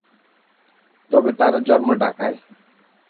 তবে তার জন্ম ঢাকায়।